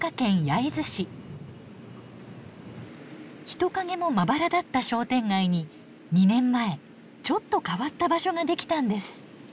人影もまばらだった商店街に２年前ちょっと変わった場所ができたんです。